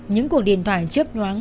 những cuộc điện thoại chấp nhoáng